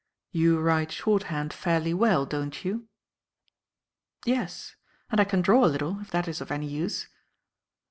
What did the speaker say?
You write shorthand fairly well, don't you?" "Yes; and I can draw a little, if that is of any use."